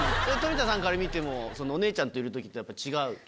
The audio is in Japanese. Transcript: それは富田さんから見てもお姉ちゃんといるときってやっぱり違う？